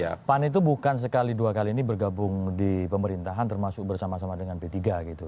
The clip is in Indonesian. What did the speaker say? ya pan itu bukan sekali dua kali ini bergabung di pemerintahan termasuk bersama sama dengan p tiga gitu